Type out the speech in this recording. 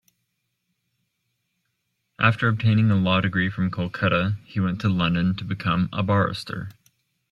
After obtaining a law-degree from Kolkata, he went to London to become a barrister.